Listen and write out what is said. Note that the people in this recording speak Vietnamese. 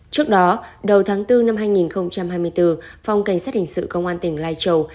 trước đó đầu tháng bốn năm hai nghìn hai mươi bốn phòng cảnh sát hình sự công an tỉnh lai châu